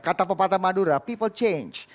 kata pepatah madura people change